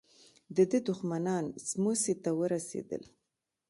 د ده دښمنان سموڅې ته ورسېدل.